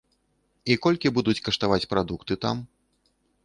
І колькі будуць каштаваць прадукты там?